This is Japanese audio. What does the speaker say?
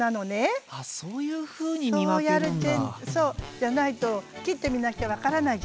じゃないと切ってみなきゃ分からないじゃない。